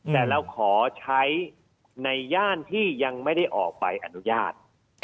แต่เราขอใช้ในย่านที่ยังไม่ได้ออกใบอนุญาต